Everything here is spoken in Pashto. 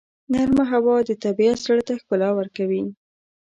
نرمه هوا د طبیعت زړه ته ښکلا ورکوي.